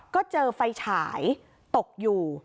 ก็เจอไฟฉายตกอยู่